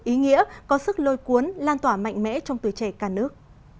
ý nghĩa có sức lôi cuốn lan tỏa mạnh mẽ trong tuổi trẻ cả nước